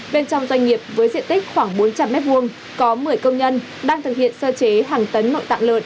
bên trong doanh nghiệp với diện tích khoảng bốn trăm linh m hai có một mươi công nhân đang thực hiện sơ chế hàng tấn nội tạng lợn